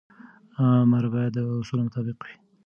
امر باید د اصولو مطابق وي.